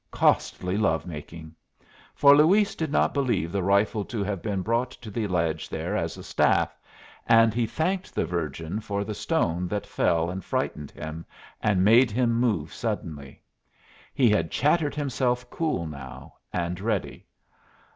Costly love making! For Luis did not believe the rifle to have been brought to the ledge there as a staff, and he thanked the Virgin for the stone that fell and frightened him, and made him move suddenly. He had chattered himself cool now, and ready.